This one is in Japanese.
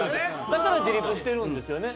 だから自立してるんですよね。